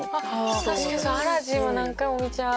確かに『アラジン』は何回も見ちゃう。